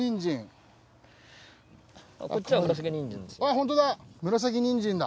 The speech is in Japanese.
本当だ！